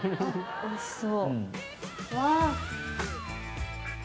おいしそう！